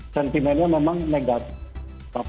sentimennya memang negatif